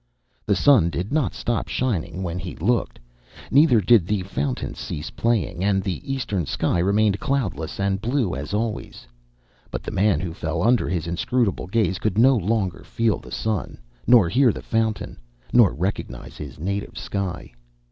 The sun did not stop shining when he looked, neither did the fountain cease playing, and the Eastern sky remained cloudless and blue as always; but the man who fell under his inscrutable gaze could no longer feel the sun, nor hear the fountain, nor recognise his native sky.